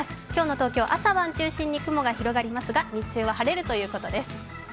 今日の東京、朝晩を中心に雲が広がりますが、日中は晴れるということです。